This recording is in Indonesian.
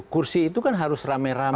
kursi itu kan harus rame rame